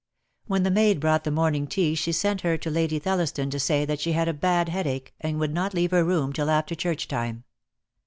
When the maid brought the morning tea she sent her to Lady Thelliston to say that she had a bad headache and would not leave her room till after church time.